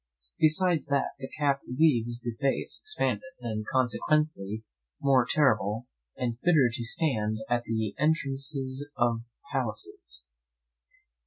Besides that the cap leaves the face expanded, and consequently more terrible, and fitter to stand at the entrances of palaces.